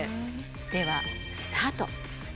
ではスタート。